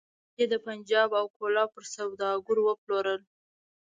هډوکي يې د پنجاب او کولاب پر سوداګرو وپلورل.